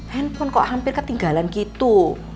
handphone kok hampir ketinggalan gitu